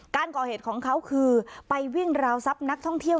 การก่อเหตุของเขาคือไปวิ่งราวทรัพย์นักท่องเที่ยว